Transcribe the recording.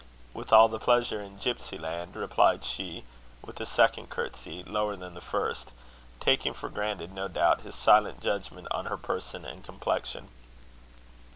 "With all the pleasure in gipsy land," replied she, with a second courtesy, lower than the first; taking for granted, no doubt, his silent judgment on her person and complexion.